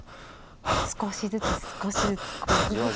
少しずつ少しずつぐっとこう。